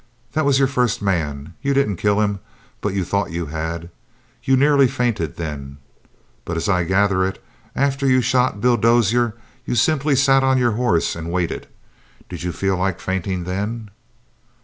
"That was your first man. You didn't kill him, but you thought you had. You nearly fainted, then. But as I gather it, after you shot Bill Dozier you simply sat on your horse and waited. Did you feel like fainting then?"